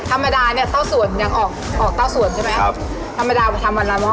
หม้ามะเนี่ยเต้าส่วนอยากออกเต้าส่วนใช่มั้ยประมาณทำวันละหม้อ